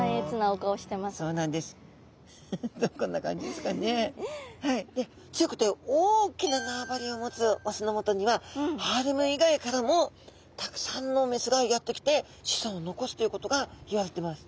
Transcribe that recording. で強くて大きな縄張りを持つオスのもとにはハーレム以外からもたくさんのメスがやってきて子孫を残すということがいわれてます。